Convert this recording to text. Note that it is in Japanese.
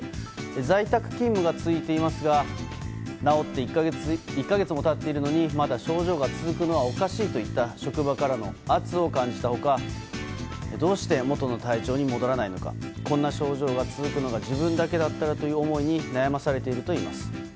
在宅勤務が続いていますが治って１か月も経っているのにまだ症状が続くのはおかしいといった職場からの圧を感じた他どうして元の体調に戻らないのかこんな症状が続くのが自分だけだったらという思いに悩まされているといいます。